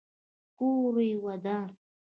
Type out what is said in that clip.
کور یې ودان.